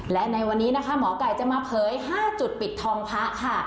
และในวันนี้นะคะหมอไก่จะมาเผย๕จุดปิดทองพระค่ะ